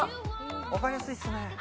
わかりやすいっすね